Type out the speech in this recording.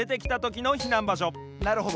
なるほど。